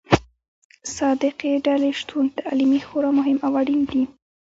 صادقې ډلې شتون تعلیمي خورا مهم او اړين دي.